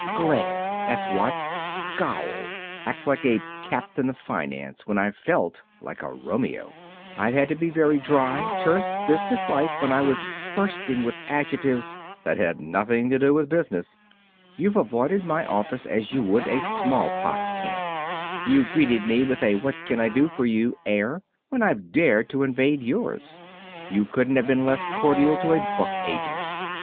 Glare, that's what! Scowl! Act like a captain of finance when I've felt like a Romeo! I've had to be dry, terse, businesslike, when I was bursting with adjectives that had nothing to do with business. You've avoided my office as you would a small pox camp. You've greeted me with a what can I do for you air when I've dared to invade yours. You couldn't have been less cordial to a book agent.